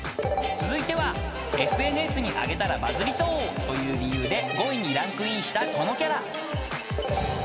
［続いてはＳＮＳに上げたらバズりそうという理由で５位にランクインしたこのキャラ］